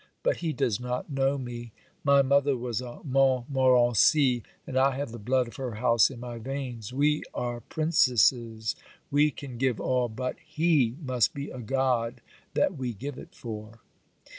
But he does not know me. My mother was a Montmorenci, and I have the blood of her house in my veins; we are princesses; we can give all; but he must be a god that we give it for.